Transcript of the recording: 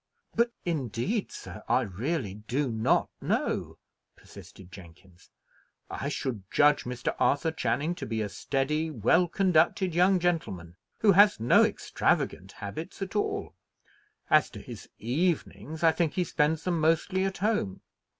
"But indeed, sir, I really do not know," persisted Jenkins. "I should judge Mr. Arthur Channing to be a steady, well conducted young gentleman, who has no extravagant habits at all. As to his evenings, I think he spends them mostly at home."